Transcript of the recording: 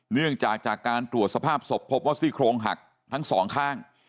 เนื่องจากจากการตรวจสภาพศพพบว่าซี่โครงหักทั้งสองข้าง